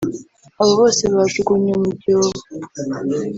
abo bose bajugunywe mu byobo